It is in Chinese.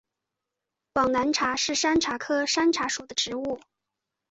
广南茶是山茶科山茶属的植物。